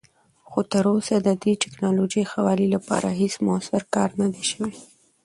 خو تراوسه د دې تکنالوژۍ ښه والي لپاره هیڅ مؤثر کار نه دی شوی.